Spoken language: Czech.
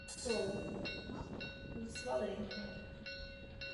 Nepřicházejte s tím.